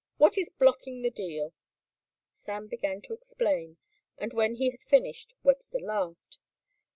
"What is blocking the deal?" Sam began to explain and when he had finished Webster laughed.